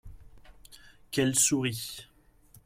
Qu'elle sourit !